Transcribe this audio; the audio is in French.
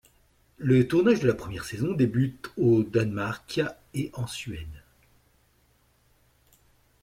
Le tournage de la première saison débute en au Danemark et en Suède.